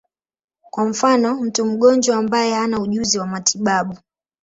Kwa mfano, mtu mgonjwa ambaye hana ujuzi wa matibabu.